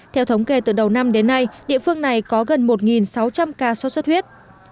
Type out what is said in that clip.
theo thống kê từ đầu năm đến nay địa phương này có gần một sáu trăm linh ca sốt xuất huyết